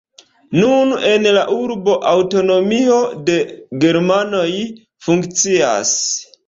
Nun en la urbo aŭtonomio de germanoj funkcias.